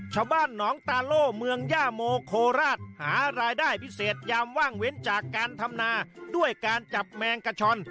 ชาวบ้านหนองตาโล่เมืองย่าโมโคราชหารายได้พิเศษยามว่างเว้นจากการทำนาด้วยการจับแมงกระชอน